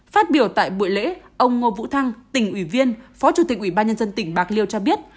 phát biểu tại buổi lễ ông ngô vũ thăng tỉnh ủy viên phó chủ tịch ủy ban nhân dân tỉnh bạc liêu cho biết